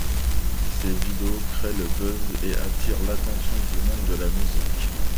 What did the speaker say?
Ses vidéos créées le buzz et attirent l'attention du monde de la musique.